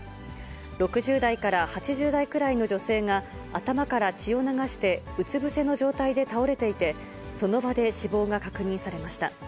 ６０代から８０代くらいの女性が、頭から血を流して、うつ伏せの状態で倒れていて、その場で死亡が確認されました。